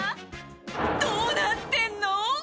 どうなってるの！？